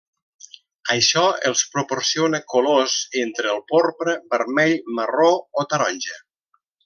Això els proporciona colors entre el porpra, vermell, marró o taronja.